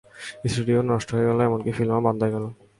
Studio নষ্ট হয়ে গেল, এমনকি ফিল্মও বন্ধ হয়ে গেল।